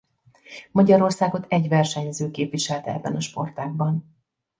Magyarországot egy versenyző képviselte ebben a sportágban.